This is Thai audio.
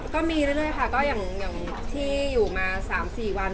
ก็ไม่อยู่มา๓๔วัน